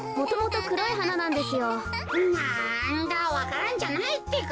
なんだわか蘭じゃないってか。